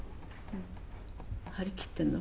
張り切ってんの？